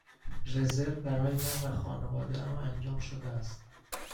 رزرو برای من و خانواده ام انجام شده است.